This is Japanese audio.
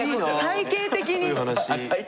体形的に。